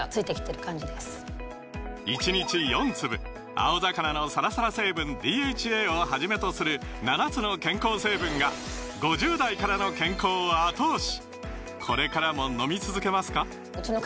青魚のサラサラ成分ＤＨＡをはじめとする７つの健康成分が５０代からの健康を後押し！